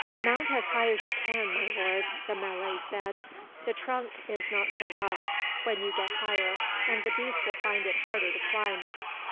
"Mount as high as you can, my lord," the Malay said. "The trunk is not so rough, when you get higher; and the beast will find it harder to climb."